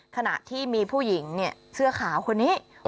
ขณะที่มีผู้หญิงเสื้อขาวคนนี้